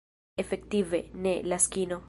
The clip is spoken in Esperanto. Efektive, ne, Laskino.